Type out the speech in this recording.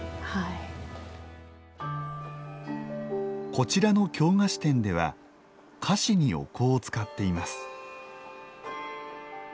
こちらの京菓子店では菓子にお香を使っています。